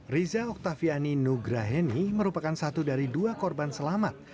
riza oktaviani nugraheni merupakan satu dari dua korban selamat